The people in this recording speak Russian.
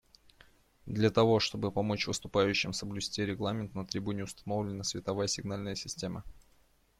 Для того чтобы помочь выступающим соблюсти регламент, на трибуне установлена световая сигнальная система.